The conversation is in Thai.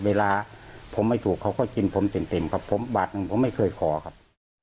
เวลาผมไม่ถูกเขาก็กินผมเต็มเต็มครับผมบาทหนึ่งผมไม่เคยขอครับ